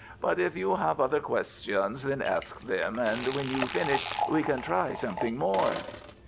But if you have other questions, then ask them, and when you are finish we can try something more."